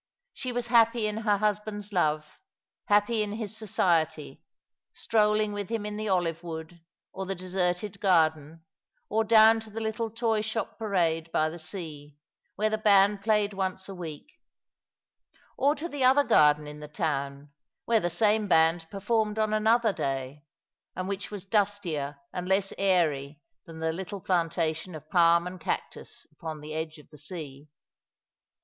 She was happy in her husband's love, happy in his society, strolling with him in the olive wood, or the deserted garden, or down to tho little toy shop parade by the sea, where the band played once a week ; or to the other garden in the town, where tho same band performed on another day, and which was dustier and less airy than the little plantation of palm and cactus upon the edge of the sea.